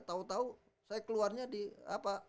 tau tau saya keluarnya di apa